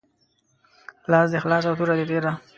لاس دي خلاص او توره دي تیره